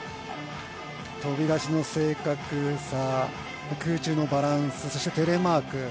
飛び出しの正確さ空中のバランスそしてテレマーク。